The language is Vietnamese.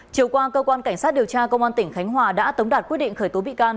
chiều qua cơ quan cảnh sát điều tra công an tỉnh khánh hòa đã tống đạt quyết định khởi tố bị can